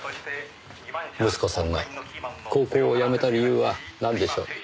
息子さんが高校を辞めた理由はなんでしょう？